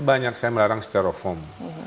banyak saya melarang styrofoam